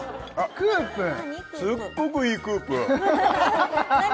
クープすっごくいいクープ何？